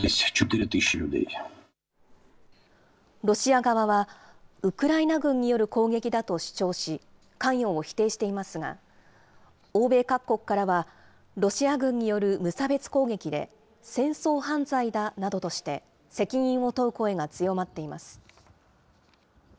ロシア側は、ウクライナ軍による攻撃だと主張し、関与を否定していますが、欧米各国からはロシア軍による無差別攻撃で、戦争犯罪だなどとして、責任を問う声が強まっています。